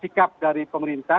sikap dari pemerintah